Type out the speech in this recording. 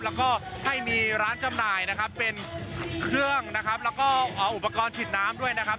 แล้วก็ให้มีร้านจำหน่ายนะครับเป็นเครื่องนะครับแล้วก็เอาอุปกรณ์ฉีดน้ำด้วยนะครับ